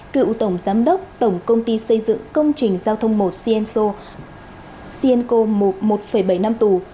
cựu tổng giám đốc tổng công ty xây dựng công trình giao thông một sienco một bảy năm tù